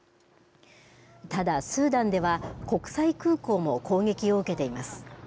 ただ、スーダンでは国際空港も攻撃を受けています。